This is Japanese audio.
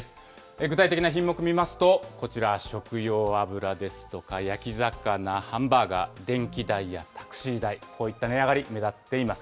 具体的な品目見ますと、こちら、食用油ですとか、焼き魚、ハンバーガー、電気代やタクシー代、こういった値上がり目立っています。